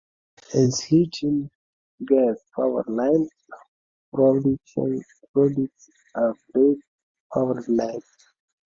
An acetylene gas powered lamp produces a bright, broad light.